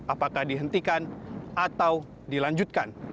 apakah dihentikan atau dilanjutkan